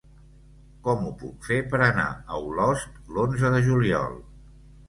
Com ho puc fer per anar a Olost l'onze de juliol?